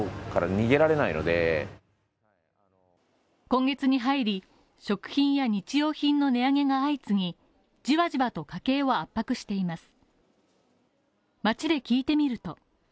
今月に入り、食品や日用品の値上げが相次ぎ、じわじわと家計を圧迫しています。